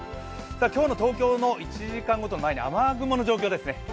今日の東京の１時間ごとの雨雲の状況ですね。